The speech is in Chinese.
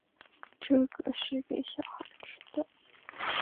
这个是给小孩吃的